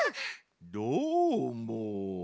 どーも。